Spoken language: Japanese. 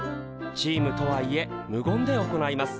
チームとはいえ無言で行います。